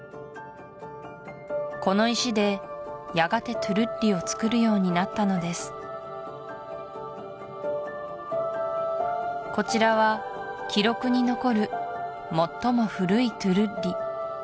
この石でやがてトゥルッリをつくるようになったのですこちらは記録に残る最も古いトゥルッリ